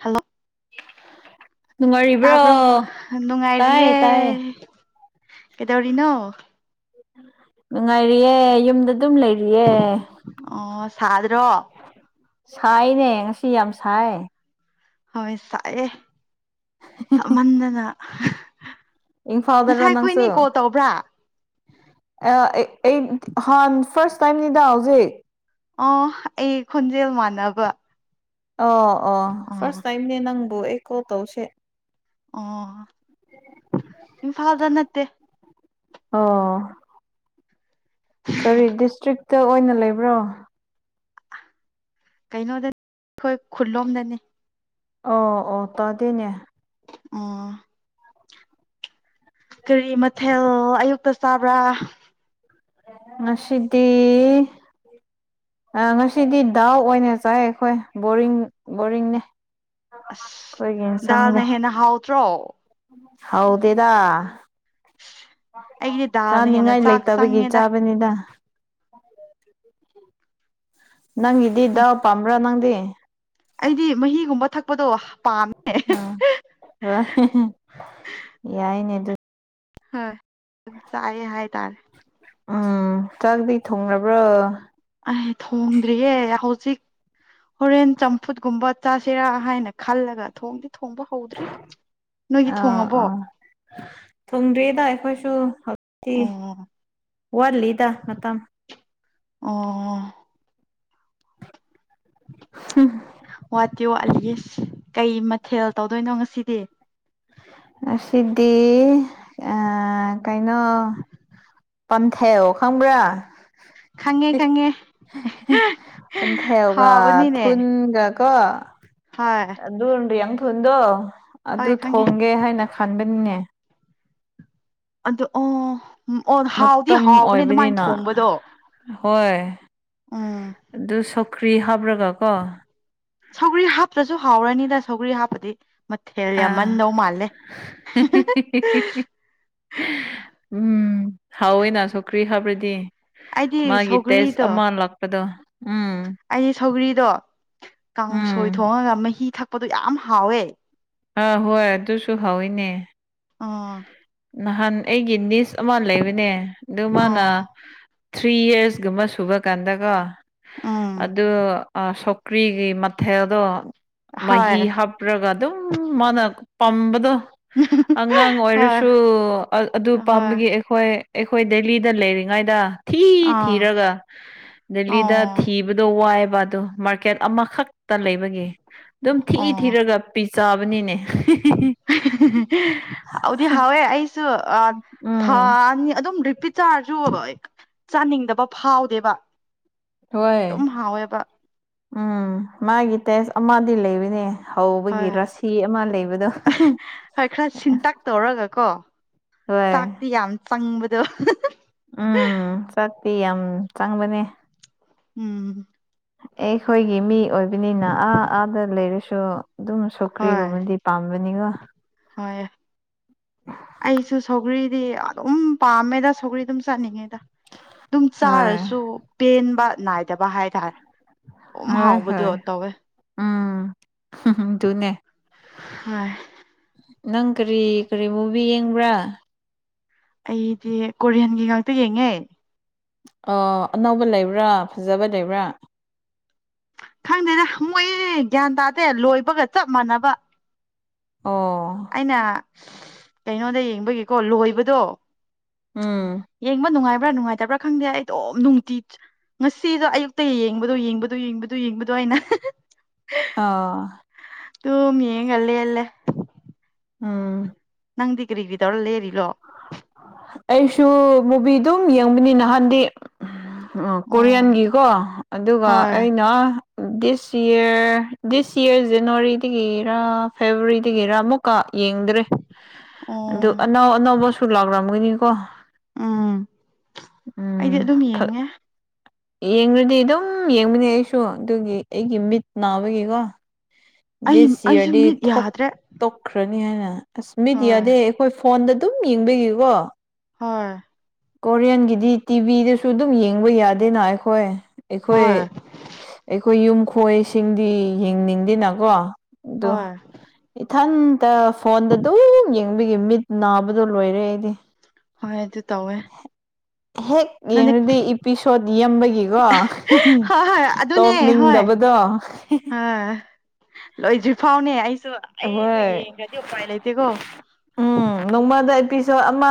hello ꯇꯥꯕ꯭ꯔꯣ ꯅꯨꯡꯉꯥꯏꯔꯤꯕ꯭ꯔꯣ ꯇꯥꯏ ꯅꯨꯡꯉꯥꯏꯔꯤꯌꯦꯦ ꯇꯥꯏꯌꯦ ꯀꯩꯗꯧꯔꯤꯅꯣ ꯅꯨꯡꯉꯥꯏꯔꯤꯌꯦꯦ ꯌꯨꯝꯗꯗꯤ ꯑꯗꯨꯝ ꯂꯩꯔꯤꯌꯦ ꯑꯣ ꯁꯥꯗ꯭ꯔꯣ ꯁꯥꯏꯅꯦ ꯑꯁꯤꯁꯤ ꯌꯥꯝ ꯁꯥꯏ ꯍ ꯁꯌꯦꯦ ꯁꯃꯗꯅ ꯏꯡ ꯐꯥꯗꯔꯣ ꯅꯪꯁꯨ ꯑꯩ ꯍꯥꯟ ꯐꯥꯔꯁ ꯇꯥꯏꯝꯅꯤꯗ ꯍꯧꯖꯤꯛ ꯑꯣ ꯑꯩ ꯈꯣꯟꯖꯦꯜ ꯃꯥꯟꯅꯕ ꯑ ꯑꯣ ꯑꯣ ꯐꯥꯔꯁ ꯇꯥꯏꯝꯅꯦ ꯅꯪꯕꯨ ꯑꯦ ꯀꯣ ꯇꯧꯁꯦ ꯑꯣ ꯏꯝꯐꯥꯜꯗ ꯅꯠꯇꯦ ꯑꯣ ꯀꯔꯤ ꯗꯤꯁꯇ꯭ꯔꯤꯛꯇ ꯑꯣꯏꯅ ꯂꯩꯕ꯭ꯔꯣ ꯀꯩꯅꯣꯗꯅꯤ ꯑꯩꯈꯣꯏ ꯈꯨꯂꯣꯝꯗꯅꯤ ꯑꯣ ꯑꯣ ꯇꯗꯅꯦ ꯑꯝ ꯀꯔꯤ ꯃꯊꯦꯜ ꯑꯌꯨꯛꯇ ꯆꯥꯕ꯭ꯔꯥ ꯃꯁꯤꯗꯤ ꯉꯁꯤꯗꯤ ꯗꯥꯎ ꯑꯣꯏꯅ ꯆꯥꯏ ꯑꯩꯈꯣꯏ ꯕꯣꯔꯤꯡ ꯕꯣꯔꯤꯡꯅꯦ ꯑꯁ ꯑꯩꯈꯣꯏꯒꯤ ꯗꯥꯜꯅ ꯍꯦꯟꯅ ꯍꯥꯎꯇ꯭ꯔꯣ ꯍꯗꯦꯗ ꯑꯩꯒꯤꯗꯤ ꯗꯥꯜꯅ ꯍꯦꯟꯅ ꯆꯥꯅꯤꯡꯉꯥꯏ ꯆꯥꯛ ꯂꯩꯇꯕꯒꯤ ꯆꯪꯉꯦꯗ ꯆꯥꯕꯅꯤꯗ ꯅꯪ ꯏꯗꯤꯗ ꯎꯝ ꯄꯥꯝꯕ꯭ꯔꯥ ꯅꯪꯗꯤ ꯑꯩꯗꯤ ꯃꯍꯤꯒꯨꯝꯕ ꯊꯛꯄꯗꯣ ꯄꯥꯝꯃꯦ ꯑ ꯍ ꯌꯥꯏꯅꯦ ꯑꯗꯨ ꯍꯣꯏ ꯆꯑ ꯍꯥꯏ ꯇꯥꯔ ꯎꯝ ꯆꯥꯛꯗꯤ ꯊꯣꯡꯔꯕ꯭ꯔꯥ ꯑꯩ ꯊꯣꯡꯗ꯭ꯔꯤꯌꯦ ꯍꯧꯖꯤꯛ ꯍꯣꯔꯦꯟ ꯆꯝꯐꯨꯠꯀꯨꯝꯕ ꯆꯥꯁꯤꯔꯥ ꯍꯥꯏꯅ ꯈꯜꯂꯒ ꯊꯣꯡꯗꯤ ꯊꯣꯡꯕ ꯍꯧꯗ꯭ꯔꯤ ꯅꯣꯏꯒꯤ ꯑꯥ ꯊꯣꯡꯉꯕꯣ ꯑꯥ ꯍꯧꯤ ꯑꯣ ꯋꯥ ꯂꯤ ꯂꯤꯗ ꯃꯇꯝ ꯑꯣ ꯍ ꯇꯤ ꯋꯥꯠꯂꯤꯒ ꯀꯩ ꯃꯊꯦꯜ ꯇꯧꯗꯣꯏꯅꯣ ꯉꯁꯤꯗꯤ ꯁꯤꯗꯤ ꯑ ꯀꯥꯏꯩꯅꯣ ꯄꯝꯊ ꯑꯣ ꯈꯪꯕ꯭ꯔꯥ ꯈꯪꯉꯦ ꯈꯪꯉꯦ ꯑꯣꯊ ꯌꯒ ꯍꯥꯎꯕꯅꯤꯅꯦ ꯊꯨꯟꯒ ꯀꯣ ꯍꯣꯏ ꯑꯗꯨ ꯌꯥꯡꯊꯨꯗꯣ ꯑꯗꯨ ꯍꯣꯏ ꯈꯪꯉꯦ ꯊꯣꯡꯒꯦ ꯍꯥꯏꯅ ꯈꯟꯕ ꯄꯨꯟꯅ ꯑ ꯑꯣ ꯑꯣ ꯍꯥꯎꯗꯤ ꯃꯇꯝ ꯍꯥꯎꯕꯅꯦ ꯑꯗꯨꯃꯥꯏꯅ ꯑꯣꯏꯕꯅꯤꯅ ꯊꯣꯡꯕꯗꯣ ꯍꯣꯏ ꯎꯝ ꯑꯗꯨ ꯁꯧꯀ꯭ꯔꯤ ꯍꯥꯞꯄ꯭ꯔꯒ ꯀꯣ ꯁꯧꯒ꯭ꯔꯤ ꯍꯥꯞꯇ꯭ꯔꯁꯨ ꯍꯥꯎꯔꯅꯤꯗ ꯁꯧꯒꯔꯤ ꯍꯥꯞꯄꯗꯤ ꯃꯊꯦꯜ ꯑꯥ ꯌꯥꯝꯃꯟꯗꯧ ꯃꯥꯜꯂꯦ ꯎꯝ ꯍꯥꯎꯋꯦꯅ ꯁꯣꯀ꯭ꯔꯤ ꯍꯥꯕ꯭ꯔꯗꯤ ꯑꯩꯗꯤ ꯁꯧꯒ꯭ꯔꯤꯗꯣ ꯂꯥꯛꯄꯗꯣ ꯎꯝ ꯑꯩꯗꯤ ꯁꯧꯒ꯭ꯔꯤꯗꯣ ꯀꯥꯡꯁꯣꯏ ꯎꯝ ꯊꯣꯡꯉꯒ ꯃꯍꯤ ꯊꯛꯄꯗꯣ ꯌꯥꯝ ꯍꯥꯎꯋꯦ ꯑꯥ ꯍꯣꯏ ꯑꯗꯨꯁꯨ ꯍꯧꯋꯏꯅꯦ ꯑ ꯅꯍꯥꯟ ꯑꯩꯒꯤ ꯅꯤꯁ ꯑꯃ ꯂꯩꯕꯅꯦ ꯑꯗꯨ ꯃꯥꯅ ꯑꯥ ꯊ꯭ꯔꯤ ꯌꯔꯁꯀꯨꯝꯕ ꯁꯨꯕ ꯀꯥꯟꯗꯀꯣ ꯎꯝ ꯑꯗꯨ ꯀ꯭ꯔꯤꯒꯤ ꯃꯊꯦꯜꯗꯣ ꯃꯍꯤ ꯍꯣꯏ ꯍꯥꯞꯔꯒ ꯑꯗꯨꯝ ꯃꯥꯅ ꯄꯝꯕꯗꯣ ꯑꯉꯥꯡ ꯑꯣꯏꯔꯁꯨ ꯍꯣꯏ ꯊ꯭ꯔꯨ ꯑꯗꯨ ꯍꯣꯏ ꯄꯥꯝꯕꯒꯤ ꯑꯩꯈꯣꯏ ꯑꯩꯈꯣꯏ ꯗꯦꯂꯤꯗ ꯂꯩꯔꯤꯉꯩꯗ ꯊꯤ ꯑꯥ ꯊꯤꯔꯒ ꯗꯦꯜꯂꯤꯗ ꯑꯣ ꯊꯤꯕꯗꯣ ꯋꯥꯏꯑꯕ ꯑꯗꯣ ꯃꯥꯔꯀꯦꯠ ꯑꯃꯈꯛ ꯇ ꯂꯩꯕꯒꯤ ꯑꯗꯨꯝ ꯊꯤꯏ ꯑꯣ ꯊꯤꯔꯒ ꯄꯤ ꯆꯥꯕꯅꯤꯅꯦ ꯑꯗꯨꯗꯤ ꯍꯥꯎꯋꯦ ꯑꯩꯁꯨ ꯎꯝ ꯊꯥꯅꯤ ꯑꯗꯨꯝ ꯄꯤꯆꯥꯥꯔꯁꯨ ꯆꯥꯅꯤꯡꯗꯕ ꯐꯥꯎꯗꯦꯕ ꯍꯣꯏ ꯑꯗꯨꯝ ꯍꯥꯎꯋꯦꯕ ꯎꯝ ꯃꯥꯒꯤ ꯇꯦꯁ ꯑꯃꯗꯤ ꯂꯩꯔꯤꯅꯦ ꯍꯧꯕꯒꯤ ꯍꯣꯏ ꯔꯥꯁꯤ ꯑꯃ ꯂꯩꯕꯗꯣ ꯍꯣꯏ ꯈꯔ ꯁꯤꯟꯇꯛ ꯇꯧꯔꯒꯀꯣ ꯍꯣꯏ ꯆꯥꯛꯇꯤ ꯌꯥꯝ ꯆꯪꯕꯗꯣ ꯎꯝ ꯆꯥꯛꯄꯤ ꯌꯥꯝ ꯆꯪꯕꯅꯦ ꯎꯝ ꯑꯦ ꯑꯩꯈꯣꯏꯒꯤ ꯃꯤ ꯑꯣꯏꯕꯅꯤꯅ ꯑꯥ ꯑꯥꯗ ꯂꯩꯔꯁꯨ ꯑꯗꯨꯝ ꯍꯣꯏ ꯁꯣꯀ꯭ꯔꯤꯒꯨꯝꯕꯗꯤ ꯄꯥꯝꯕꯅꯤꯒ ꯍꯣꯏ ꯑꯩꯁꯨ ꯁꯧꯒꯔꯤ ꯗꯤ ꯑꯗꯨꯝ ꯄꯥꯝꯃꯦꯗ ꯁꯧꯒ꯭ꯔꯤ ꯑꯗꯨꯝ ꯆꯠꯅꯤꯡꯉꯦ ꯑꯗꯨꯝ ꯍꯣꯏ ꯆꯥꯔꯁꯨ ꯄꯦꯟꯕ ꯅꯥꯏꯗꯕ ꯍꯥꯏꯇꯥꯔꯦ ꯑꯗꯨꯝ ꯍꯣꯏ ꯍꯥꯎꯕꯗꯣ ꯍꯣꯏ ꯇꯧꯋꯦ ꯎꯝ ꯊꯨꯅꯦ ꯍꯣꯏ ꯅꯪ ꯀꯔꯤ ꯀꯔꯤ ꯃꯨꯚꯤ ꯌꯦꯡꯕ꯭ꯔꯥ ꯑꯩꯗꯤ ꯀꯣꯔꯤꯌꯥꯟꯒꯤ ꯉꯥꯛꯇ ꯌꯦꯡꯉꯦ ꯑꯅꯧꯕ ꯂꯩꯕ꯭ꯔꯥ ꯐꯖꯕ ꯂꯩꯕ꯭ꯔꯥ ꯈꯪꯗꯦꯅꯦ ꯃꯣꯏ ꯒ꯭ꯌꯥꯟ ꯇꯥꯗꯦ ꯂꯣꯏꯕꯒ ꯆꯞ ꯃꯥꯟꯅꯕ ꯑꯣ ꯑꯩꯅ ꯀꯩꯅꯣꯗ ꯌꯦꯡꯕꯒꯤꯀꯣ ꯂꯣꯏꯕꯗꯣ ꯎꯝ ꯌꯦꯡꯕ ꯅꯨꯡꯉꯥꯏꯕ꯭ꯔꯥ ꯅꯨꯡꯉꯥꯏꯇꯕ꯭ꯔꯥ ꯈꯪꯗꯦ ꯑꯩꯗꯣꯝ ꯅꯨꯡꯇꯤ ꯉꯁꯤꯗꯣ ꯑꯌꯨꯛꯇ ꯌꯦꯡꯕꯗꯣ ꯌꯦꯡꯕꯗꯣ ꯌꯦꯡꯕꯗ ꯌꯦꯡꯕꯗꯣ ꯑꯩꯅ ꯑꯥ ꯇ ꯃꯟ ꯀꯜꯂꯤꯦꯂꯦ ꯎꯝ ꯅꯪꯗꯤꯛ꯭ꯔꯤ ꯇꯧꯂ ꯂꯩꯦꯔꯤ ꯑꯩꯁꯨ ꯃꯨꯚꯤꯗꯨꯝ ꯌꯦꯡꯕꯅꯤ ꯅꯍꯥꯟꯗꯤ ꯑꯣ ꯀꯣꯔꯤꯌꯟꯒꯤꯀꯣ ꯑꯗꯨꯒ ꯍꯣꯏ ꯑꯩꯅ ꯗꯤꯁ ꯏꯔ ꯗꯤꯁ ꯏꯔ ꯖꯅꯋꯥꯔꯤꯗꯒꯤꯔꯥ ꯐꯦꯕꯋꯥꯔꯤꯗꯒꯤꯔ ꯑꯃꯨꯛꯀ ꯌꯦꯡꯗ꯭ꯔꯦ ꯑꯣ ꯑꯗꯨ ꯑꯅꯧ ꯑꯅꯧꯕꯁꯨ ꯂꯥꯛꯂꯝꯝꯒꯅꯤꯀꯣ ꯎꯝ ꯑꯩꯗꯤ ꯑꯗꯨꯝ ꯌꯦꯡꯉꯦ ꯌꯦꯡꯗꯤ ꯑꯗꯨꯝ ꯌꯦꯡꯕꯅꯦ ꯑꯩꯁꯨ ꯑꯗꯨꯒꯤ ꯑꯩꯒꯤ ꯃꯤꯠ ꯅꯥꯕꯒꯤꯀꯣ ꯑꯩ ꯗꯦꯁꯤ ꯑꯩꯁꯨ ꯃꯤꯠ ꯊꯛ ꯌꯥꯗ꯭ꯔꯦ ꯊꯈ꯭ꯔ ꯅꯤ ꯍꯥꯏꯅ ꯑꯁ ꯃꯤꯗꯤ ꯍꯣꯏ ꯌꯥꯗꯦ ꯑꯩꯈꯣꯏ ꯐꯣꯟꯗ ꯑꯗꯨꯝ ꯌꯦꯡꯕꯤꯒꯀꯣ ꯍꯣꯏ ꯀꯣꯔꯤꯌꯥꯟꯒꯤꯗꯤ ꯇꯤꯚꯤꯗꯁꯨ ꯑꯗꯨꯝ ꯌꯦꯡꯕ ꯌꯥꯗꯦꯅ ꯑꯩꯈꯣꯏ ꯑꯩꯈꯣꯏ ꯍꯣꯏ ꯑꯩꯈꯣꯏ ꯌꯨꯝ ꯈꯣꯏꯁꯤꯡꯗꯤ ꯌꯦꯡꯅꯤꯡꯗꯦꯅꯀꯣ ꯑꯗꯨ ꯍꯣꯏ ꯏꯊꯟꯇ ꯐꯣꯟꯗ ꯑꯗꯨꯝ ꯌꯦꯡꯕꯤꯒꯤ ꯃꯤꯠ ꯅꯥꯕꯗꯣ ꯂꯣꯏꯔꯦ ꯑꯩꯗꯤ ꯍꯣꯏ ꯑꯗꯨ ꯇꯧꯋꯦ ꯍꯦꯛ ꯅꯪꯗꯤ ꯌꯦꯡꯉꯨꯗꯤ ꯏꯄꯤꯁꯣꯠ ꯌꯕꯒꯤꯀꯣ ꯍꯣꯏ ꯍꯣꯏ ꯑꯗꯨꯅꯦ ꯍꯣꯏ ꯇꯣꯛꯞꯅꯤꯡꯗꯕꯗ ꯗ ꯍꯣꯏ ꯂꯣꯏꯗ꯭ꯔꯤ ꯐꯥꯎꯅꯦ ꯑꯩꯁ ꯁ ꯑꯩꯁꯨ ꯍꯣꯏ ꯌꯦꯡꯈ꯭ꯔꯗꯤ ꯎꯄꯥꯏ ꯂꯩꯇꯦꯀꯣ ꯁꯣ ꯑꯃ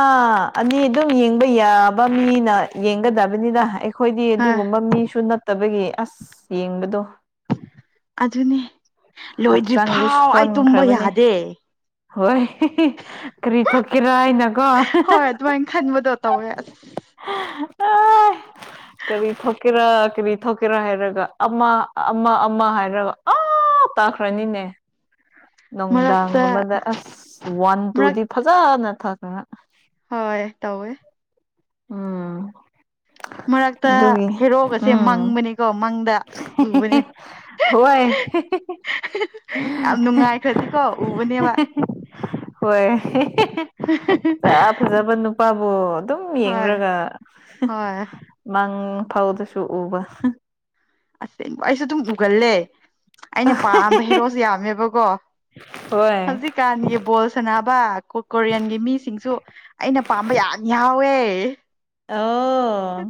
ꯑꯅꯤ ꯑꯗꯨꯝ ꯌꯦꯡꯕ ꯌꯥꯕ ꯃꯤꯅ ꯌꯦꯡꯒꯗꯕꯅꯤꯅ ꯑꯩꯈꯣꯏꯗꯤ ꯍꯣꯏ ꯑꯗꯨꯒꯨꯝꯕ ꯃꯤꯁꯨ ꯅꯠꯇꯕꯒꯤ ꯑꯁ ꯌꯦꯡꯕꯗꯣ ꯑꯗꯨꯅꯦ ꯍꯛꯆꯥꯡꯗꯤ ꯂꯣꯏꯗ꯭ꯔꯤꯐꯥꯎ ꯑꯩ ꯇꯨꯝꯕ ꯁꯣꯟꯈ꯭ꯔꯕꯅꯦ ꯌꯥꯗꯦ ꯍꯣꯏ ꯀꯔꯤ ꯊꯣꯛꯀꯦꯔꯥ ꯍꯥꯏꯅꯀꯣ ꯑꯗꯨꯃꯥꯏꯅ ꯈꯟꯕꯗꯣ ꯍꯣꯏ ꯇ ꯀꯔꯤ ꯊꯣꯛꯀꯦꯔꯥ ꯀꯔꯤ ꯊꯣꯛꯀꯦꯔꯥ ꯍꯥꯏꯔꯒ ꯑꯃ ꯑꯃ ꯑꯃ ꯍꯥꯏꯔꯒ ꯇ ꯇꯥꯈ꯭ꯔꯅꯤꯅꯦ ꯃꯔꯛꯇ ꯅꯨꯡꯗꯥꯡꯒꯨꯝꯗ ꯑꯁ ꯋꯥꯟ ꯃꯔꯛ ꯇꯨꯗꯤ ꯐꯖꯅ ꯊꯛꯈ ꯍꯣꯏ ꯇꯧꯋꯦ ꯎꯝ ꯃꯔꯛꯇ ꯒꯤ ꯍꯦꯔꯣꯒꯁꯦ ꯎꯝ ꯃꯪꯕꯅꯤꯀꯣ ꯃꯪꯗ ꯎꯕꯅꯦ ꯍꯣꯏ ꯌꯥꯝ ꯅꯨꯡꯉꯥꯏꯈ꯭ꯔꯗꯤꯀꯣ ꯎꯕꯅꯦꯕ ꯍꯣꯏ ꯐꯖ ꯐꯖꯕ ꯅꯨꯄꯥꯕꯨꯣ ꯑꯗꯨꯝ ꯁꯨꯝ ꯍꯣꯏ ꯌꯦꯡꯨꯔꯒ ꯍꯣꯏ ꯃꯪ ꯐꯥꯎꯗꯁꯨ ꯎꯕ ꯀꯕ ꯑꯩꯁꯨ ꯑꯗꯨꯝ ꯎꯒꯜꯂꯦ ꯑꯩꯅ ꯄꯥꯝꯕ ꯍꯦꯔꯣꯁꯨ ꯌꯥꯝꯃꯦꯕꯀꯣ ꯍꯣꯏ ꯍꯧꯖꯤꯛꯀꯥꯟꯒꯤ ꯕꯣꯜ ꯁꯅꯕ ꯀꯣꯔꯤꯌꯟꯒꯤ ꯃꯤꯁꯤꯡꯁꯨ ꯑꯩꯅ ꯄꯥꯝꯕ ꯌꯥ ꯌꯥꯎꯋꯦ ꯑꯣ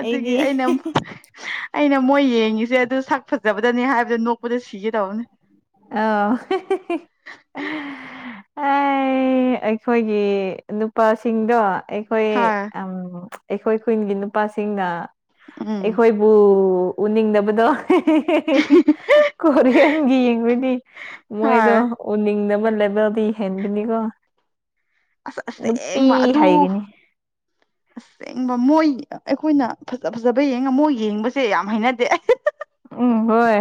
ꯑꯗꯨꯒꯤ ꯑꯩꯗꯤ ꯑꯩꯅ ꯑꯩꯅ ꯃꯣꯏ ꯌꯦꯡꯉꯤꯁꯦ ꯑꯗꯨ ꯁꯛ ꯐꯖꯕꯗꯅꯤ ꯍꯥꯏꯕꯗ ꯅꯣꯛꯄꯗ ꯁꯤꯒꯦ ꯇꯧꯕꯅꯦ ꯑ ꯑꯦ ꯑꯩꯈꯣꯏꯒꯤ ꯅꯨꯄꯥꯁꯤꯡꯗꯣ ꯑꯩꯈꯣꯏ ꯍꯣꯏ ꯑ ꯑꯩꯈꯣꯏ ꯈꯨꯟꯒꯤ ꯅꯨꯄꯥꯁꯤꯡꯅ ꯎꯝ ꯑꯩꯈꯣꯏꯕꯨ ꯎꯅꯤꯡꯗꯕꯗꯣ ꯀꯣꯔꯤꯌꯥꯟꯒꯤ ꯌꯦꯡꯕꯗꯤ ꯃꯣꯏꯗꯣ ꯍꯣꯏ ꯎꯅꯤꯡꯅꯕ ꯂꯩꯕꯦꯜꯗꯤ ꯍꯕꯤꯅꯤꯒ ꯑꯁ ꯑꯁꯦꯡ ꯃꯥ ꯑꯗꯨ ꯑꯁꯦꯡ ꯃꯣꯏ ꯑꯩꯈꯣꯏꯅ ꯐꯖꯕ ꯌꯦꯡꯉ ꯃꯣꯏ ꯌꯦꯡꯕꯁꯦ ꯌꯥꯝ ꯍꯥꯏꯩꯅꯗꯦ ꯎꯝ ꯍꯣꯏ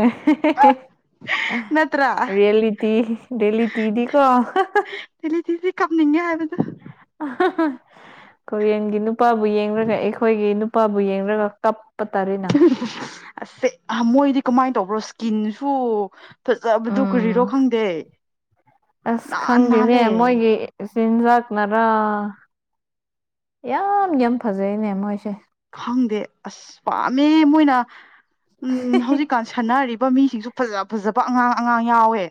ꯅꯠꯇ꯭ꯔꯥ ꯌꯦꯇꯤ ꯌꯦꯂꯤꯇꯤꯗꯤꯀꯣ ꯀꯅꯤꯒ ꯍꯥꯏꯕꯗ ꯀꯣꯔꯤꯌꯟꯒꯤ ꯅꯨꯄꯥꯕꯨ ꯌꯦꯡꯨꯔꯒ ꯑꯩꯈꯣꯏꯒꯤ ꯃꯄꯥꯕꯨ ꯌꯦꯡ꯭ꯔꯒ ꯀꯞ ꯑꯁꯦ ꯃꯣꯏꯗꯤ ꯀꯃꯥꯏꯅ ꯇꯧꯕ꯭ꯔꯣ ꯏꯁꯀꯤꯟꯁꯨ ꯐꯖꯕꯗꯨ ꯀꯨꯔꯤꯔꯣ ꯎꯝ ꯈꯪꯗꯦ ꯑꯁ ꯅꯥꯍꯟ ꯈꯪꯗꯦꯅꯦ ꯅꯥꯜꯂꯦ ꯃꯣꯏꯒꯤ ꯆꯤꯟꯖꯥꯛꯅꯔꯥ ꯌꯥꯝ ꯌꯥꯝ ꯐꯖꯩꯅꯦ ꯃꯣꯏꯁꯦ ꯈꯪꯗꯦ ꯑꯁ ꯄꯥꯝꯃꯦ ꯃꯣꯏꯅ ꯎꯝ ꯍꯧꯖꯤꯛꯀꯥꯟ ꯁꯥꯟꯅꯔꯤꯕ ꯃꯤꯁꯤꯡꯁꯨ ꯐꯖ ꯐꯖꯕ ꯑꯉꯥꯡ ꯑꯉꯥꯡ ꯌꯥꯎꯋꯦ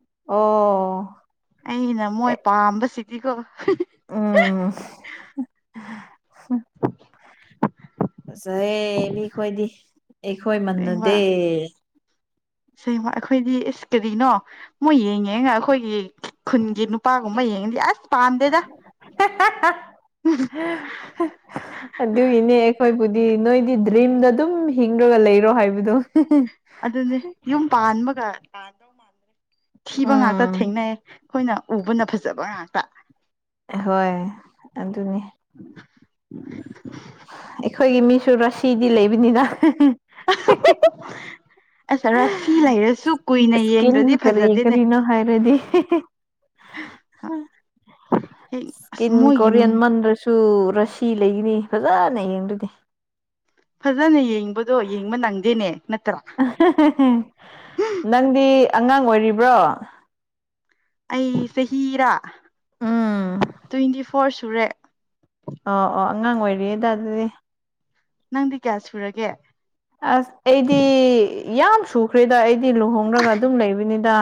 ꯑꯣ ꯑꯩꯅ ꯃꯣꯏ ꯑꯦ ꯄꯥꯝꯕꯁꯤꯗꯤꯀꯣ ꯎꯝ ꯐꯁꯦ ꯃꯤꯈꯣꯏꯗꯤ ꯑꯩꯈꯣꯏ ꯃꯟꯅꯗꯦ ꯁꯃ ꯑꯩꯈꯣꯏꯗꯤ ꯑꯦꯁ ꯀꯔꯤꯅꯣ ꯃꯣꯏ ꯌꯦꯡꯉꯦ ꯉ ꯑꯩꯈꯣꯏꯒꯤ ꯈꯨꯟꯒꯤ ꯅꯨꯄꯥꯒꯨꯝꯕ ꯌꯦꯡ ꯑꯗꯨꯏꯅꯦ ꯑꯩꯈꯣꯏ ꯗꯤ ꯅꯣꯏꯗꯤ ꯗ꯭ꯔꯤꯝꯗ ꯑꯗꯨꯝ ꯍꯤꯡꯗ꯭ꯔꯒ ꯂꯩ ꯍꯥꯏꯕꯗꯨ ꯑꯗꯨꯅꯤ ꯌꯨꯝ ꯄꯥꯟꯕꯒ ꯊꯤꯕ ꯉꯥꯛꯇ ꯊꯦꯡꯅꯩꯌꯦ ꯑꯩꯈꯣꯏꯅ ꯎꯕꯅ ꯐꯖꯕ ꯉꯥꯛꯇ ꯍꯣꯏ ꯑꯗꯨꯅꯤ ꯑꯩꯈꯣꯏꯒꯤ ꯃꯤꯁꯨ ꯔꯁꯤꯗꯤ ꯂꯩꯕꯅꯤꯅ [unintelligible] ꯑꯁ ꯔꯥ ꯁꯤ ꯂꯩꯔꯁꯨ ꯀꯨꯏꯅ ꯌꯦꯡꯗ꯭ꯔꯗꯤ ꯏꯁꯀꯤꯟ ꯀꯔꯤ ꯐꯖꯗꯦꯅꯦ ꯀꯔꯤꯅꯣ ꯍꯦꯛ [unintelligible] ꯑꯁ ꯏꯁꯀꯤꯟ ꯃꯣꯏꯒꯤ ꯀꯣꯔꯤꯌꯟ ꯃꯅꯗ꯭ꯔꯁꯨ ꯔꯁꯤ ꯂꯩꯈꯤꯅꯤ ꯐꯖꯅ ꯌꯦꯡꯗꯣꯏꯅꯦ ꯐꯖꯅ ꯌꯦꯡꯕꯗꯣ ꯌꯦꯡꯕ ꯅꯪꯗꯦꯅꯦ ꯅꯠꯇ꯭ꯔꯥ ꯅꯪꯗꯤ ꯑꯉꯥꯡ ꯑꯣꯏꯔꯤꯕ꯭ꯔꯣ ꯑꯩ ꯆꯍꯤꯔ ꯎꯝ ꯇ꯭ꯋꯦꯟꯇꯤ ꯐꯣꯔ ꯁꯨꯔꯦ ꯑꯣ ꯑꯣ ꯑꯉꯥꯡ ꯑꯣꯏꯔꯤꯗ ꯑꯗꯨꯗꯤ ꯅꯪꯗꯤ ꯀꯌꯥ ꯁꯨꯔꯒꯦ ꯑꯁ ꯑꯩꯗꯤ ꯌꯥꯝ ꯁꯨꯈ꯭ꯔꯦꯗ ꯑꯩꯗꯤ ꯂꯨꯍꯣꯡꯔꯒ ꯑꯗꯨꯝ ꯂꯩꯕꯅꯤꯗ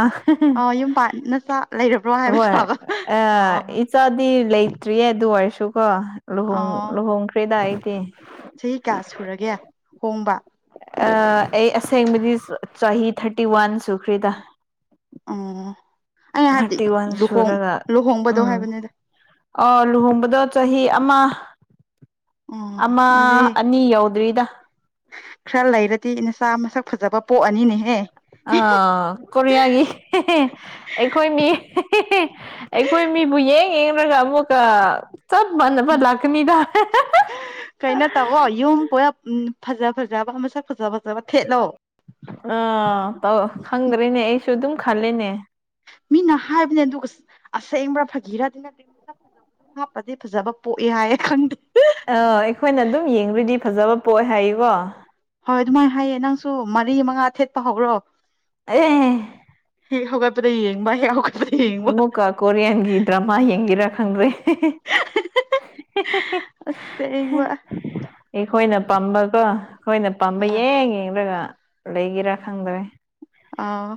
ꯑꯣ ꯌꯨꯝ ꯄꯥꯟ ꯅꯆꯥ ꯂꯩꯔꯕ꯭ꯔꯣ ꯍꯥꯏꯕ ꯍꯣꯏ ꯁꯥꯕ ꯑꯥ ꯑꯣ ꯏꯆꯥꯗꯤ ꯂꯩ ꯂꯩꯇ꯭ꯔꯤ ꯑꯗꯨ ꯑꯣꯏꯔꯁꯨꯀꯣ ꯑꯣ ꯂꯨꯍꯣꯡꯈ꯭ꯔꯦꯗ ꯑꯩꯗꯤ ꯆꯍꯤ ꯀꯌꯥ ꯁꯨꯔꯒꯦ ꯍꯣꯡꯕ ꯑ ꯑꯩ ꯑꯁꯦꯡꯕꯗꯤ ꯆ ꯆꯍꯤ ꯊꯥꯔꯇꯤ ꯋꯥꯟ ꯁꯨꯈꯔ꯭ꯦꯗ ꯑꯣ ꯑꯩ ꯍꯥꯏꯕꯗꯤ ꯋꯥꯟ ꯂꯨꯍꯣꯡ ꯁꯨꯔꯒ ꯂꯨꯍꯣꯡꯕꯗꯣ ꯎꯝ ꯍꯥꯏꯕꯅꯦꯗ ꯑ ꯂꯨꯍꯣꯡꯕꯗꯣ ꯆꯍꯤ ꯑꯃ ꯑꯣ ꯑꯃ ꯑꯗꯨꯗꯤ ꯑꯅꯤ ꯌꯧꯗ꯭ꯔꯤꯗ ꯄ ꯅꯤꯅꯦ ꯍꯦ ꯑ ꯀꯣꯔꯤꯌꯥꯒꯤ ꯍꯦ ꯍꯦ ꯑꯩꯈꯣꯏ ꯃꯤ ꯍꯦ ꯍꯦ ꯍꯦ ꯑꯩꯈꯣꯏ ꯃꯤ ꯏꯕꯨ ꯌꯦꯡ ꯌꯦꯡꯔꯒ ꯑꯃꯨꯛ ꯀ ꯆꯕ ꯃꯥꯅꯕ ꯂꯀꯅꯤꯗ ꯐꯥꯖꯥ ꯐꯖꯥꯕ ꯃꯨꯁꯛ ꯐꯖꯥ ꯐꯖꯕ ꯊꯦꯠꯂꯣ ꯑꯥ ꯇꯧ ꯈꯪꯗ꯭ꯔꯦꯅꯦ ꯑꯩꯁꯨ ꯑꯗꯨꯝ ꯈꯂꯦꯅꯦ ꯃꯤꯅ ꯍꯥꯏꯕꯅꯦ ꯑꯗꯨ ꯑꯁꯦꯡꯕ꯭ꯔꯥ ꯐꯥꯒꯤꯔꯗꯤ ꯅꯠꯇꯦ [unintelligible] ꯍꯥꯞꯄꯗꯤ ꯐꯖꯕ ꯄꯣꯛꯑꯦ ꯍꯥꯏꯌꯦ ꯈꯪꯗꯦ ꯑꯥ ꯑꯩꯈꯣꯏꯅ ꯑꯗꯨꯝ ꯌꯦꯡꯔꯗꯤ ꯐꯖꯕ ꯄꯣꯛꯑꯦ ꯍꯥꯏꯌꯦꯀꯣ ꯍꯣꯏ ꯑꯗꯨꯃꯥꯏꯅ ꯍꯥꯏꯌꯦ ꯅꯪꯁꯨ ꯃꯔꯤ ꯃꯉꯥ ꯊꯦꯠꯄ ꯍꯧꯔꯣ ꯑꯩꯌꯦ ꯍꯦ ꯍꯧꯒꯠꯄꯗ ꯌꯦꯡꯕ ꯍꯦꯛ ꯍꯧꯒꯠ ꯑꯝꯃꯨꯀ ꯀꯣꯔꯤꯌꯥꯟꯒꯤ ꯗ꯭ꯔꯃ ꯌꯦꯒꯦꯔꯥ ꯈꯪꯗꯔꯦ ꯑꯁꯦꯡꯕ ꯑꯩꯈꯣꯏꯅ ꯄꯥꯝꯕꯀꯣ ꯑꯩꯈꯣꯏꯅ ꯄꯥꯝꯕ ꯍꯣꯏ ꯌꯦꯡ ꯌꯦꯡꯔꯒ ꯂꯩꯩꯒꯦꯔ ꯈꯪꯗ꯭ꯔꯦ ꯑꯥ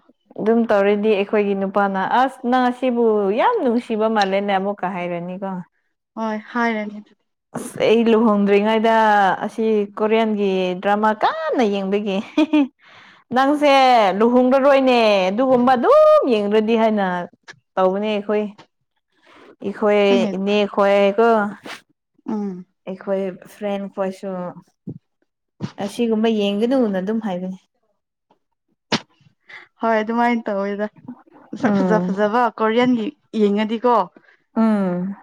ꯗꯨꯝ ꯇꯧꯔꯗꯤ ꯑꯩꯈꯣꯏꯒꯤ ꯅꯨꯄꯥꯅ ꯑꯁ ꯅꯪ ꯑꯁꯤꯕꯨ ꯌꯥꯝ ꯅꯨꯡꯁꯤꯕ ꯃꯥꯜꯂꯦꯅꯦ ꯑꯃꯨꯛꯀ ꯍꯥꯏꯔꯅꯤꯀꯣ ꯍꯣꯏ ꯍꯥꯏꯔꯅꯤ ꯑꯁ ꯑꯩ ꯂꯨꯍꯣꯡꯗꯔ꯭ꯤ ꯉꯥꯏꯗ ꯑꯁꯤ ꯀꯣꯔꯤꯌꯟꯒꯤ ꯗ꯭ꯔꯃꯥ ꯀꯟꯅ ꯌꯦꯡꯕꯒꯤ ꯅꯪꯁꯦ ꯂꯨꯍꯣꯡꯗꯨꯔꯣꯏ ꯅꯦ ꯑꯗꯨꯒꯨꯝꯕ ꯑꯗꯨꯝ ꯌꯦꯡꯗ꯭ꯔꯗꯤ ꯍꯥꯏꯅ ꯇꯧꯕꯅꯦ ꯑꯩꯈꯣꯏ ꯏꯈꯣꯏ ꯍꯣꯏꯅꯦ ꯏꯅꯦ ꯈꯣꯏꯌꯦꯀꯣ ꯎꯝ ꯑꯩꯈꯣꯏ ꯐ꯭ꯔꯦꯟ ꯈꯣꯏꯁꯨ ꯑꯁꯤꯒꯨꯝꯕ ꯌꯦꯡꯒꯅꯨꯅꯉ ꯑꯗꯨꯝ ꯍꯥꯏꯕꯅꯤ [inaudible] ꯍꯣꯏ ꯑꯗꯨꯃꯥꯏꯟ ꯇꯧꯋꯦꯗ ꯃꯁꯛ ꯐꯖ ꯎꯝ ꯐꯖꯕ ꯀꯣꯔꯤꯌꯟꯒꯤ ꯌꯦꯡꯉꯗꯤꯀꯣ ꯎꯝ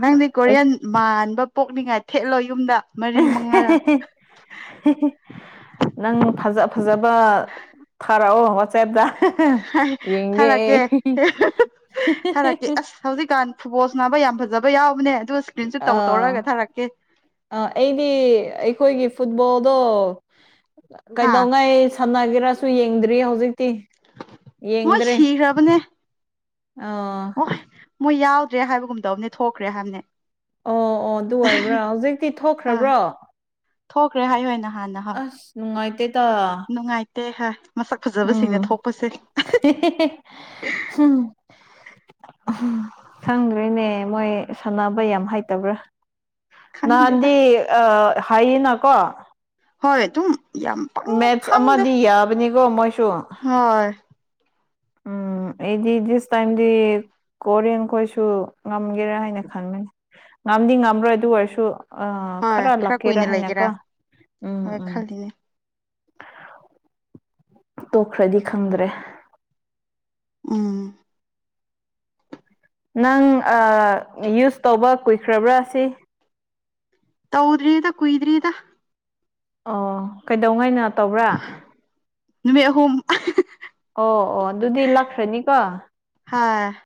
ꯅꯪꯗꯤ ꯀꯣꯔꯤꯌꯟ ꯃꯥꯟꯕ ꯄꯣꯛꯅꯤꯉꯥꯏ ꯊꯦꯠꯂꯣ ꯌꯨꯝꯗ ꯃꯔꯤ ꯃꯉꯥꯔ ꯅꯪ ꯐꯖ ꯐꯖꯕ ꯕꯥ ꯊꯥꯔꯛ ꯑꯣ ꯋꯥꯥꯆꯞ ꯊꯥꯔꯛꯀꯦ ꯊꯥꯔꯛꯀꯦ ꯑꯁ ꯍꯧꯖꯤꯛꯀꯥꯟ ꯐꯨ ꯕ‌ꯣꯟ ꯁꯅꯥꯕ ꯌꯥꯝ ꯐꯖꯕ ꯌꯥꯎꯕꯅꯦ ꯑꯗꯨꯁ ꯑꯥ ꯑꯥ ꯑꯩꯗꯤ ꯑꯩꯈꯣꯏꯒꯤ ꯐꯨꯠꯕꯣꯜꯗꯣ ꯍꯥ ꯀꯩꯗꯧꯉꯥꯏ ꯁꯥꯟꯅꯒꯦꯔꯁꯨ ꯌꯦꯡꯗ꯭ꯔꯤ ꯍꯧꯖꯤꯛ ꯇꯤ ꯃꯣꯏ ꯌꯦꯡꯗ꯭ꯔꯦ ꯁꯤꯈ꯭ꯔꯕꯅꯦ ꯑꯥ ꯍꯣꯏ ꯃꯣꯏ ꯌꯥꯎꯗ꯭ꯔꯦ ꯍꯥꯏꯕꯒꯨꯝꯗꯧꯅꯦ ꯊꯣꯛꯈ꯭ꯔꯦ ꯍꯥꯏꯝꯅꯦ ꯑꯣ ꯑꯣ ꯑꯗꯨ ꯑꯣꯏꯕ꯭ꯔꯥ ꯍꯧꯖꯤꯛꯇꯤ ꯑ ꯊꯣꯛꯈ꯭ꯔꯕ꯭ꯔꯣ ꯊꯣꯛꯈ꯭ꯔꯦ ꯍꯥꯏ ꯍꯣꯏꯅ ꯑꯁ ꯅꯨꯡꯉꯥꯏꯇꯦ ꯇꯥ [unintelligible] ꯐꯖꯕꯁꯤꯡꯅ ꯎꯝ ꯊꯣꯛꯄꯁꯦ ꯍꯨꯝ ꯈꯪꯗꯔꯦꯅꯦ ꯃꯣꯏ ꯁꯥꯟꯅꯕ ꯌꯥꯝ ꯍꯩꯇꯕ꯭ꯔꯥ ꯈꯪꯗꯦꯗ ꯅꯍꯥꯟꯗꯤ ꯑꯥ ꯍꯥꯏꯌꯦꯅꯀꯣ ꯍꯣꯏ ꯑꯗꯨꯝ ꯌꯥꯝ ꯃꯦꯠꯁ ꯈꯪꯗꯦ ꯑꯃꯗꯤ ꯌꯥꯕꯅꯤꯀꯣ ꯃꯣꯏꯁꯨ ꯍꯣꯏ ꯎꯝ ꯑꯩꯗꯤ ꯇꯥꯏꯝꯗꯤ ꯀꯣꯔꯤꯌꯟ ꯈꯣꯏꯁꯨ ꯉꯝꯒꯦꯔꯥ ꯍꯥꯏꯅ ꯈꯟꯕꯅꯤ ꯉꯝꯗꯤ ꯉꯝꯔꯣꯏ ꯑꯗꯨ ꯑꯣꯏꯔꯁꯨ ꯑꯥ ꯍꯣꯏ ꯈꯔ ꯂꯥꯛꯀꯦꯔꯥ ꯀꯨꯏꯅ ꯂꯩꯒꯦꯔꯥ ꯍꯥꯏꯅꯀ ꯎꯝ ꯍꯣꯏ ꯎꯝ ꯈꯜꯂꯤꯅꯦ ꯇꯣꯛꯈ꯭ꯔꯗꯤ ꯈꯪꯗ꯭ꯔꯦ ꯎꯝ ꯅꯪ ꯌꯨꯁ ꯇꯧꯕ ꯀꯨꯏꯈ꯭ꯔꯕ꯭ꯔꯥ ꯁꯤ ꯇꯧꯗ꯭ꯔꯤꯗ ꯀꯣꯏꯗ꯭ꯔꯤꯗ ꯑꯣ ꯀꯩꯗꯧꯉꯥꯏꯅ ꯇꯧꯕ꯭ꯔꯥ ꯅꯨꯃꯤꯠ ꯑꯍꯨꯝ ꯑꯣ ꯑꯣ ꯑꯗꯨꯗꯤ ꯂꯥꯛꯈ꯭ꯔꯅꯤꯀꯣ ꯍꯥꯥ